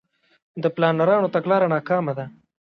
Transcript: د پلانرانو تګلاره ناکامه ده.